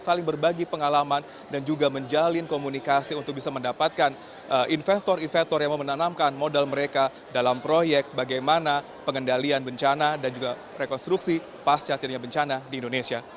saling berbagi pengalaman dan juga menjalin komunikasi untuk bisa mendapatkan investor investor yang mau menanamkan modal mereka dalam proyek bagaimana pengendalian bencana dan juga rekonstruksi pas jatuhnya bencana di indonesia